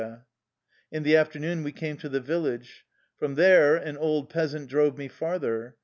^^ In the afternoon we came to the vil lage. From there an old peasant drove me far ther.